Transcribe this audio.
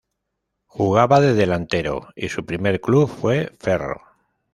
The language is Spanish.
Jugaba de delantero y su primer club fue Ferro.